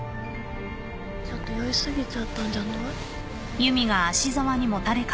ちょっと酔い過ぎちゃったんじゃない？